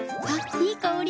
いい香り。